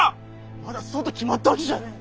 まだそうと決まったわけじゃねえ。